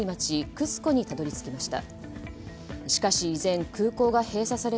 クスコにたどり着きました。